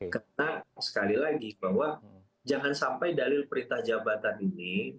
karena sekali lagi bahwa jangan sampai dalil perintah jabatan ini